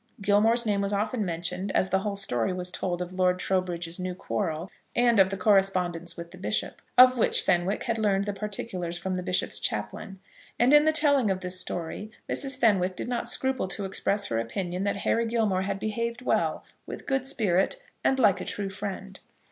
Gilmore's name was often mentioned as the whole story was told of Lord Trowbridge's new quarrel, and of the correspondence with the bishop, of which Fenwick had learned the particulars from the bishop's chaplain. And in the telling of this story Mrs. Fenwick did not scruple to express her opinion that Harry Gilmore had behaved well, with good spirit, and like a true friend.